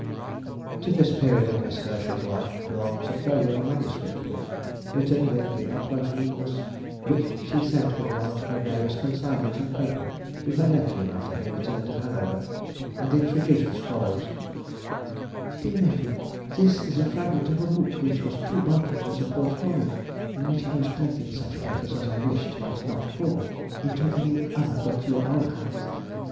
To this period of Miss Herschel's life belongs a folio manuscript book, written with the utmost neatness, which she sent with one of her various consignments of papers to her nephew after her return to Hanover, and introduced as follows:— DEAR NEPHEW,— This is the fragment of a book which was too bulky for the portfolio in which I was collecting such papers as I wished might not fall into any other but your own hands.